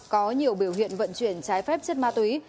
có nhiều biểu hiện vận chuyển trái phép chất ma túy